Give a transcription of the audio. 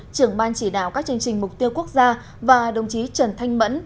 trưởng ban chỉ đạo các chương trình mục tiêu quốc gia và đồng chí trần thanh mẫn